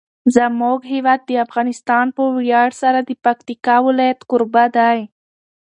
زموږ هیواد افغانستان په ویاړ سره د پکتیکا ولایت کوربه دی.